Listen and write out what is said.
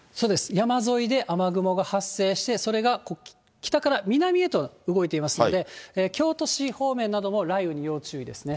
山沿いで雨雲が発生して、それが北から南へと動いていますので、京都市方面なども雷雨に要注意ですね。